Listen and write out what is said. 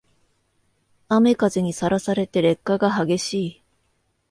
雨風にさらされて劣化が激しい